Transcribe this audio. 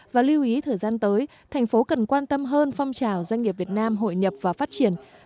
và lưu ý thời gian tới thành phố cần quan tâm hơn phong trào doanh nghiệp việt nam hội nhập và phát triển